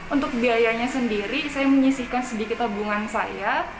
untuk biayanya sendiri saya menyisihkan sedikit tabungan saya